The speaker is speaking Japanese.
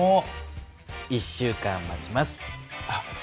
１週間待ちます。